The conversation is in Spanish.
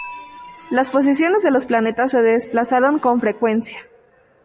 Las posiciones de los planetas se desplazaron con frecuencia.